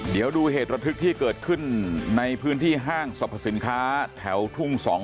เดี๋ยวดูเหตุระทึกที่เกิดขึ้นในพื้นที่ห้างสรรพสินค้าแถวทุ่ง๒